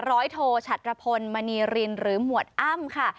โทชัตรพลมณีรินหรือหมวดอ้ำค่ะ